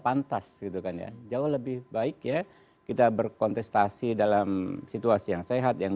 pantas gitu kan ya jauh lebih baik ya kita berkontestasi dalam situasi yang sehat yang